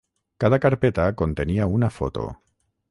Cada carpeta contenia una foto.